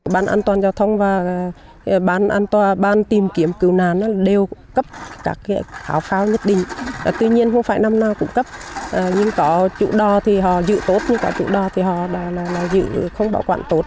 bán an toàn giao thông và bán tìm kiếm cứu nàn đều cấp các phao nhất định tuy nhiên không phải năm nào cũng cấp nhưng có chủ đo thì họ giữ tốt nhưng có chủ đo thì họ giữ không bảo quản tốt